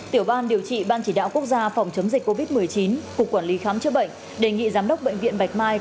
tiểu ban điều trị ban chỉ đạo quốc gia phòng chống dịch covid một mươi chín cục quản lý khám chữa bệnh đề nghị giám đốc bệnh viện bạch mai